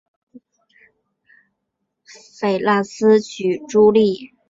菲腊斯娶茱莉。